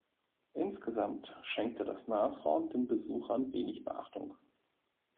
Insgesamt schenkte das Nashorn den Besuchern wenig Beachtung.